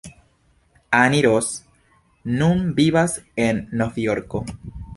Annie Ross nun vivas en Novjorko.